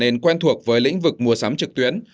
nên quen thuộc với lĩnh vực mua sắm trực tuyến